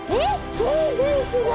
全然違う！